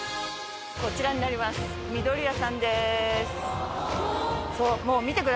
こちらになります。